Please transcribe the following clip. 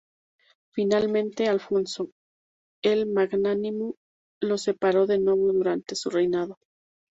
Finalmente, Alfonso "el Magnánimo" los separó de nuevo durante su reinado.